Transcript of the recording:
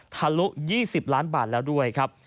ทะลุ๒๐ล้านบาทแล้วด้วยครับ